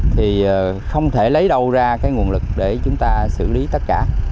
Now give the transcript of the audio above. thì không thể lấy đâu ra cái nguồn lực để chúng ta xử lý tất cả